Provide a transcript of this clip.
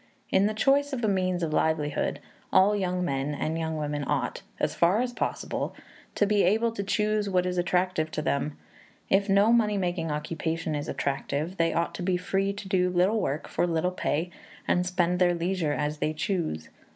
In the choice of a means of livelihood all young men and young women ought, as far as possible, to be able to choose what is attractive to them; if no money making occupation is attractive, they ought to be free to do little work for little pay, and spend their leisure as they choose.